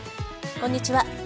こんにちは。